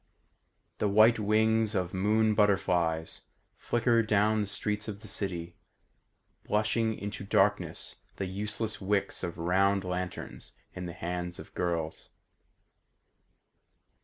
The white wings of moon butterflies Flicker down the streets of the city, Blushing into darkness the useless wicks of round lanterns in the hands of girls.